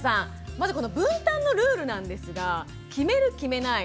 まずこの分担のルールなんですが決める決めない